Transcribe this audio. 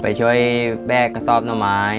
ไปช่วยแบกกระซ่อสนุนไมล์